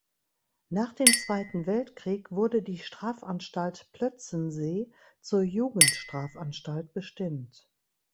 Nach dem Zweiten Weltkrieg wurde die Strafanstalt Plötzensee zur Jugendstrafanstalt bestimmt.